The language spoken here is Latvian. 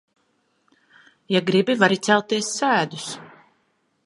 Ja gribi, vari celties sēdus.